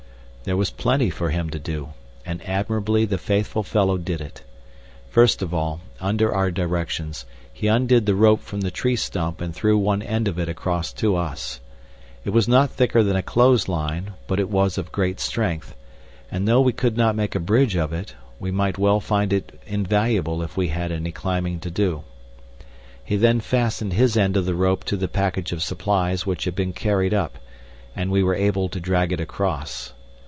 There was plenty for him to do, and admirably the faithful fellow did it. First of all, under our directions, he undid the rope from the tree stump and threw one end of it across to us. It was not thicker than a clothes line, but it was of great strength, and though we could not make a bridge of it, we might well find it invaluable if we had any climbing to do. He then fastened his end of the rope to the package of supplies which had been carried up, and we were able to drag it across.